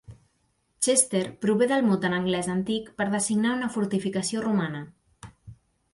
"Chester" prové del mot en anglès antic per designar una fortificació romana.